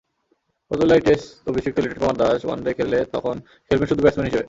ফতুল্লায় test অভিষিক্ত Liton Kumar Das one day খেললে তখন খেলবেন শুধু ব্যাটসম্যান হিসেবে।